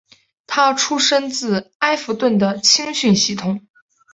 他出身自埃弗顿的青训系统。